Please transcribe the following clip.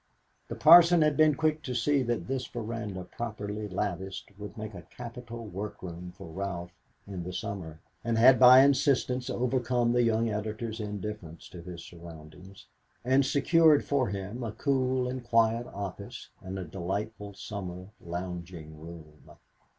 The Parson had been quick to see that this veranda properly latticed would make a capital workroom for Ralph in the summer, and had by insistence overcome the young editor's indifference to his surroundings, and secured for him a cool and quiet office and a delightful summer lounging room.